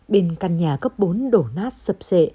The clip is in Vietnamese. bên căn nhà cấp bốn đổ nát sập sệ